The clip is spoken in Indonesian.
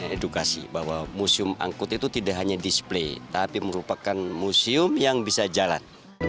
edukasi bahwa museum angkut itu tidak hanya display tapi merupakan museum yang bisa jalan